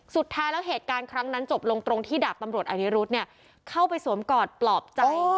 สุดท้ายแล้วเหตุการณ์ครั้งนั้นจบลงตรงที่ดาบตำรวจอนิรุธเข้าไปสวมกอดปลอบใจ